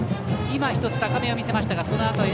今、１つ高めを見せました。